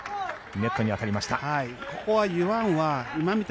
ネットに当たりました。